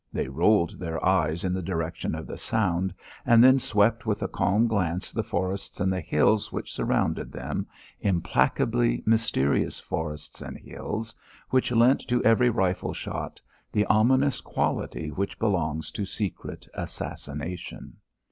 They rolled their eyes in the direction of the sound, and then swept with a calm glance the forests and the hills which surrounded them, implacably mysterious forests and hills which lent to every rifle shot the ominous quality which belongs to secret assassination.